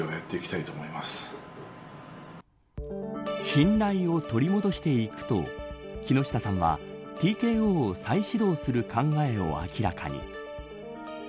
信頼を取り戻していくと木下さんはＴＫＯを再始動する考えを明らかに。